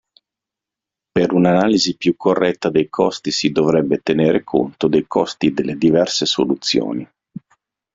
Per un'analisi più corretta dei costi si dovrebbe tenere conto dei costi delle diverse soluzioni.